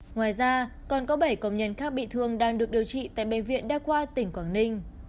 ngoài ra còn có bảy công nhân khác bị thương đang được điều trị tại bệnh viện đa khoa tỉnh quảng ninh